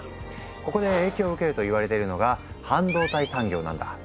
ここで影響を受けると言われているのが半導体産業なんだ。